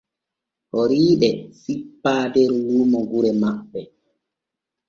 Horiiɗe sippaa der luumo gure maɓɓe.